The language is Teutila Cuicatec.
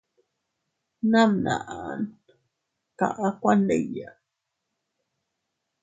Namnaʼan kaʼa kuandiya.